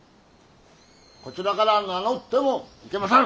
こちらから名乗ってもいけまへぬ！